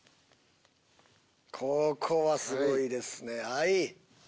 ここはすごいですね。